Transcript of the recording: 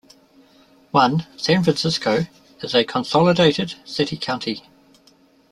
One, San Francisco, is a consolidated city-county.